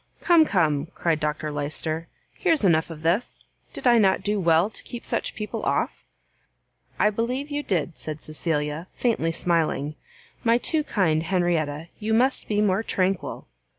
"Come, come," cried Dr Lyster, "here's enough of this; did I not do well to keep such people off?" "I believe you did," said Cecilia, faintly smiling; "my too kind Henrietta, you must be more tranquil!"